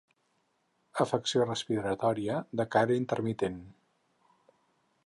Afecció respiratòria de caire intermitent.